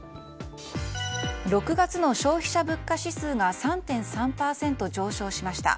６月の消費者物価指数が３．３％上昇しました。